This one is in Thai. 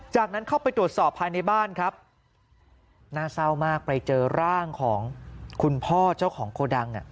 จากนั้นเข้าไปตรวจสอบภายในบ้านครับน่าเศร้ามากไปเจอร่างของคุณพ่อเจ้าของโกดัง